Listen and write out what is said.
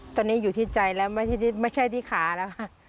ตอนนี้อยู่ที่ใจแล้วไม่ใช่ที่ขาแล้วค่ะ